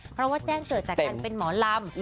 เพราะว่าแจ้งเกิดจากการเป็นหมอลำ